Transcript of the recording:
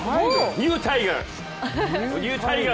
ニュータイガー！